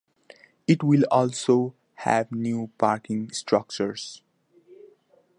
It will also have new parking structures.